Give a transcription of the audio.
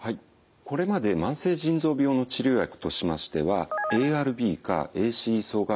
これまで慢性腎臓病の治療薬としましてはＡＲＢかＡＣＥ阻害薬